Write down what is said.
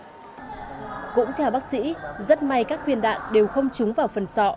cũng theo bác sĩ rất may các viên đạn đều không trúng vào phần sọ